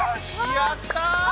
やった！